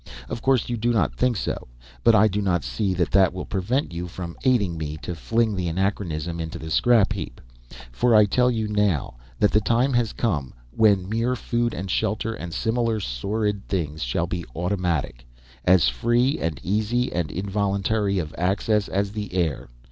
Of course you do not think so; but I do not see that that will prevent you from aiding me to fling the anachronism into the scrap heap. For I tell you now that the time has come when mere food and shelter and similar sordid things shall be automatic, as free and easy and involuntary of access as the air.